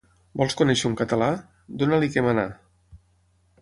Vols conèixer un català? Dona-li què manar.